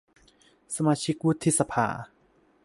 สมาชิกวุฒิสภา